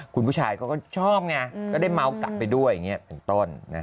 คุณผู้ชายเขาก็ชอบไงก็ได้เมาส์กลับไปด้วยอย่างนี้เป็นต้น